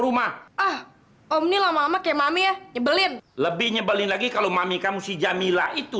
rumah ah om ini lama lama ke mami ya nyebelin lebih nyebelin lagi kalau mami kamu si jamila itu